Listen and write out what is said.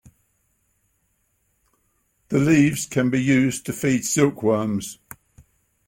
The leaves can be used to feed silk worms.